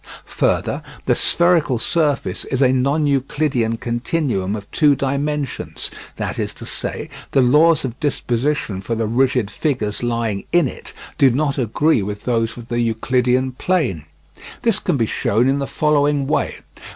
Further, the spherical surface is a non Euclidean continuum of two dimensions, that is to say, the laws of disposition for the rigid figures lying in it do not agree with those of the Euclidean plane. This can be shown in the following way.